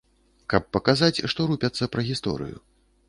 Каб паказаць, што рупяцца пра гісторыю.